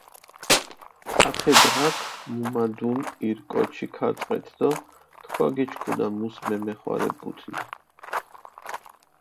ათე დღაქ მუმადუნ ირ კოჩი ქარწყეთ დო თქვა გიჩქუნა, მუს მემეხვარებუთინ.